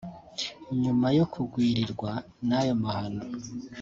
nyuma yo kugwirirwa n’ayo mahano